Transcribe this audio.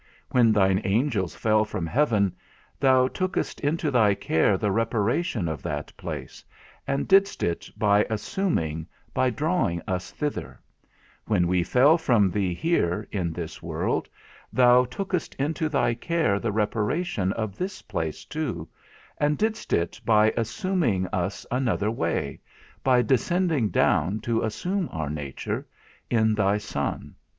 When thine angels fell from heaven, thou tookest into thy care the reparation of that place, and didst it by assuming, by drawing us thither; when we fell from thee here, in this world, thou tookest into thy care the reparation of this place too, and didst it by assuming us another way, by descending down to assume our nature, in thy Son.